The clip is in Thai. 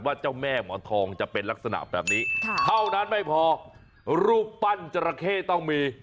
เจ้าแม่หมอนทองจะเป็นลักษณะแบบนี้เท่านั้นไม่พอรูปปั้นจราเข้ต้องมี